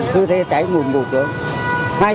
cứ thấy cháy ngùm ngủ chứ